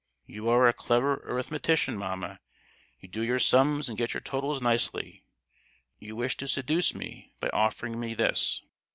You are a clever arithmetician, mamma; you do your sums and get your totals nicely. You wish to seduce me by offering me this!